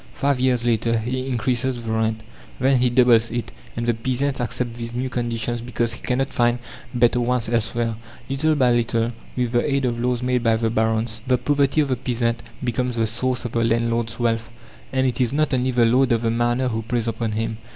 Five years later he increases the rent. Then he doubles it, and the peasant accepts these new conditions because he cannot find better ones elsewhere. Little by little, with the aid of laws made by the barons, the poverty of the peasant becomes the source of the landlord's wealth. And it is not only the lord of the manor who preys upon him.